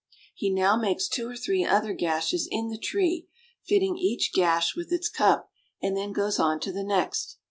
He now makes two or three other gashes in the tree, fitting each gash with its cup, and then goes on to the next.